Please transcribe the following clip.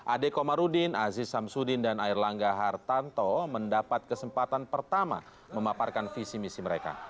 ade komarudin aziz samsudin dan air langga hartanto mendapat kesempatan pertama memaparkan visi misi mereka